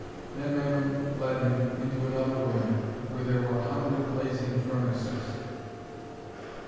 Then Mammon led him into another room where were a hundred blazing furnaces.